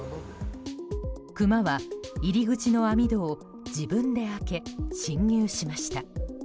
クマは入り口の網戸を自分で開け侵入しました。